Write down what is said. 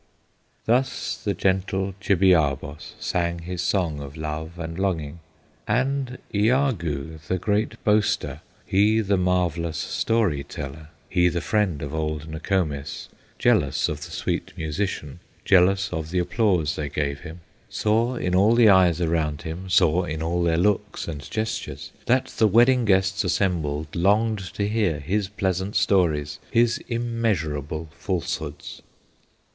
Thus the gentle Chibiabos Sang his song of love and longing; And Iagoo, the great boaster, He the marvellous story teller, He the friend of old Nokomis, Jealous of the sweet musician, Jealous of the applause they gave him, Saw in all the eyes around him, Saw in all their looks and gestures, That the wedding guests assembled Longed to hear his pleasant stories, His immeasurable falsehoods.